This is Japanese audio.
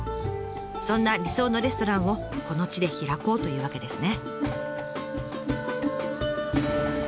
そんな理想のレストランをこの地で開こうというわけですね。